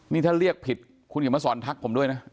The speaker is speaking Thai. นี่ถ้าเรียกผิดคุณเขียนมาสอนทักผมด้วยนะ